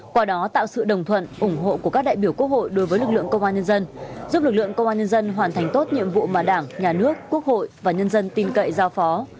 qua đó tạo sự đồng thuận ủng hộ của các đại biểu quốc hội đối với lực lượng công an nhân dân giúp lực lượng công an nhân dân hoàn thành tốt nhiệm vụ mà đảng nhà nước quốc hội và nhân dân tin cậy giao phó